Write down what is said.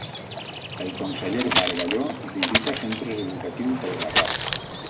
El conseller Bargalló visita centres educatius del Garraf.